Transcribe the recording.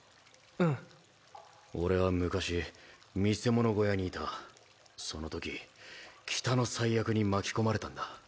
うん俺は昔見世物小屋にいたそのとき北の災厄に巻き込まれたんだ